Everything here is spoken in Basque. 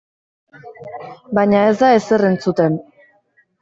Baina ez da ezer entzuten.